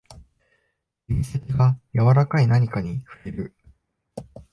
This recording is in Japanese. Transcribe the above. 指先が柔らかい何かに触れる